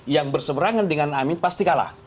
yang berseberangan dengan amin pasti kalah